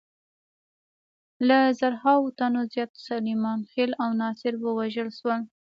له زرهاوو تنو زیات سلیمان خېل او ناصر ووژل شول.